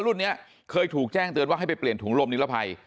รุ่นนี้เคยถูกแจ้งเตือนว่าให้ไปเปลี่ยนถุงลมนิรภัย